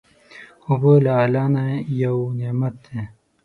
اوبه له الله نه یو نعمت دی.